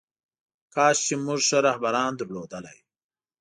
کاش چې موږ ښه رهبران درلودلی.